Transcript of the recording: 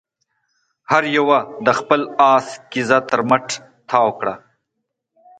هر يوه د خپل آس قيضه تر مټ تاو کړه.